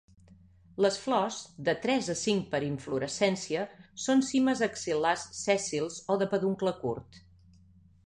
Les flors, de tres a cinc per inflorescència, són cimes axil·lars sèssils o de peduncle curt.